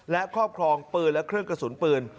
และครอบครองปืนและเครื่องกระสุนปืน